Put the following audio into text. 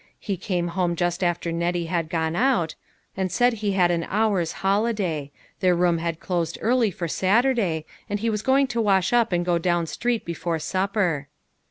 He came home just after Nettie had gone out, and said he had an hour's holiday ; their room had closed early for Saturday, and he was going to wash up and go down street before supper.